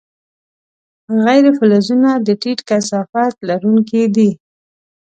غیر فلزونه د ټیټ کثافت لرونکي دي.